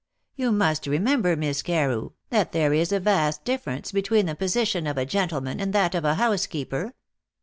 You must remember, Miss Carew, that there is a vast difference between the position of a gentleman and that of a housekeeper."